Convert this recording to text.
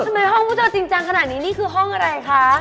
ทำไมห้องพวกเธอจริงจังขนาดนี้นี่คือห้องอะไรคะ